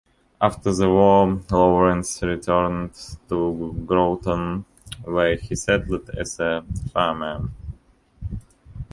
After the war, Lawrence returned to Groton, where he settled as a farmer.